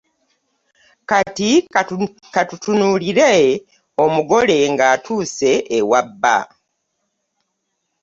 Kati ka tutunuulire omugole ng’atuuse ewa bba.